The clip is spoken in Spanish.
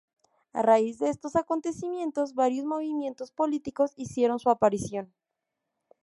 A raíz de estos acontecimientos, varios movimientos políticos hicieron su aparición.